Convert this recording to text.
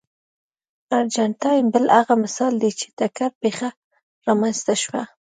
ارجنټاین بل هغه مثال دی چې ټکر پېښه رامنځته شوه.